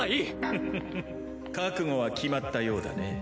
フフフ覚悟は決まったようだね。